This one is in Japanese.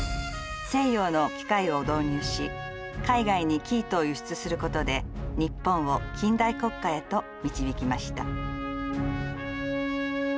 西洋の機械を導入し海外に生糸を輸出することで日本を近代国家へと導きました。